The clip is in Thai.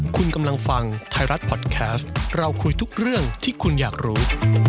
คุณกำลังฟังไทยรัฐพอดแคสต์เราคุยทุกเรื่องที่คุณอยากรู้